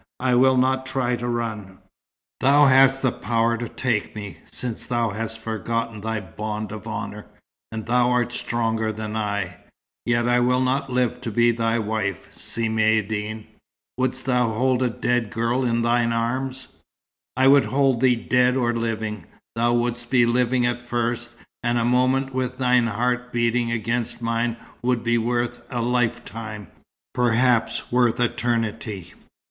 I will not try to run. Thou hast the power to take me, since thou hast forgotten thy bond of honour, and thou art stronger than I. Yet will I not live to be thy wife, Si Maïeddine. Wouldst thou hold a dead girl in thine arms?" "I would hold thee dead or living. Thou wouldst be living at first; and a moment with thine heart beating against mine would be worth a lifetime perhaps worth eternity."